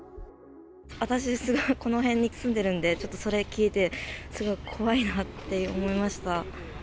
私、この辺に住んでるんで、ちょっとそれ聞いて、すごい怖いなって思いました。